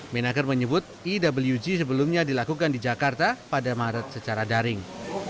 menaker menyebut ewg sebelumnya dilakukan di jakarta pada maret secara daring